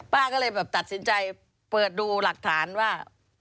ก็เลยแบบตัดสินใจเปิดดูหลักฐานว่า